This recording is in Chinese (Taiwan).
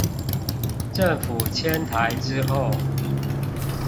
政府遷台之後